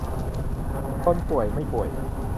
คนป่วยไม่ป่วย